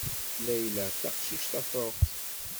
Layla d taqcict tafṛuxt.